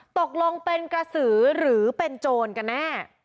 ตกลงเป็นกระสือหรือเป็นโจรกันแน่